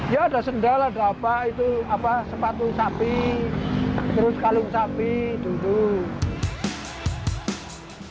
ya ada sendal ada apa itu sepatu sapi terus kalung sapi duduk